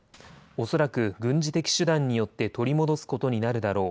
恐らく軍事的手段によって取り戻すことになるだろう。